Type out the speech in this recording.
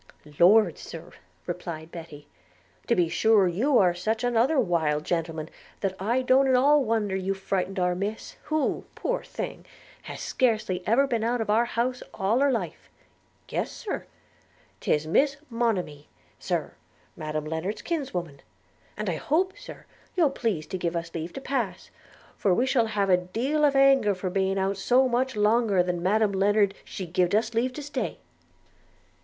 'Lord, Sir,' replied Betty, 'to be sure you are such another wild gentleman that I don't at all wonder you've frighted our Miss, who, poor thing! has scarcely ever been out of our house all her life. – Yes, Sir, 'tis Miss Monimee, Sir, Madam Lennard's kinswoman; and I hope, Sir, you'll please to give us leave to pass, for we shall have a deal of anger for being out so much longer than Madam Lennard she gived us leave to stay.'